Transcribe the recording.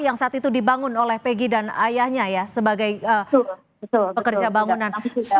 yang saat itu dibangun oleh pegi dan ayahnya ya sebagai pekerja bangunan